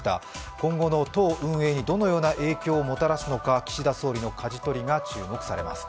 今後の党運営にどのような影響をもたらすのか岸田総理のかじ取りが注目されます。